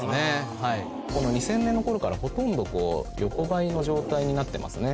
２０００年の頃からほとんど横ばいの状態になってますね。